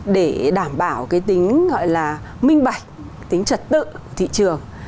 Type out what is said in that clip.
để đảm bảo cái tính gọi là minh bạch tính trật tự thị trường